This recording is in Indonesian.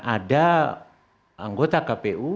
ada anggota kpu